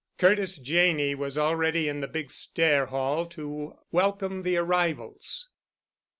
Curtis Janney was already in the big stair hall to welcome the arrivals.